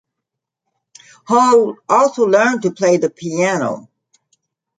Hole also learned to play the piano.